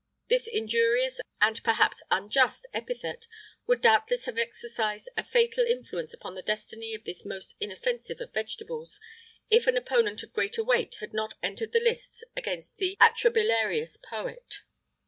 [IX 30] This injurious, and perhaps unjust, epithet would doubtless have exercised a fatal influence upon the destiny of this most inoffensive of vegetables, if an opponent of greater weight had not entered the lists against the atrabilarious poet.